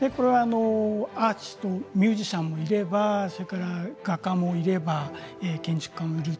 アーティストミュージシャンもいれば画家もいれば建築家もいる。